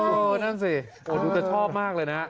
นั่นสิดูจะชอบมากเลยนะ